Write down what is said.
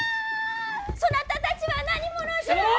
そなたたちは何者じゃ。